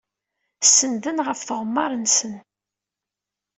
Sennden ɣef tɣemmar-nsen.